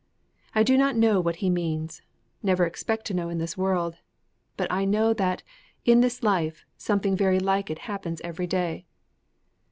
I do not know what he means never expect to know in this world. But I know that, in this life, something very like it happens every day.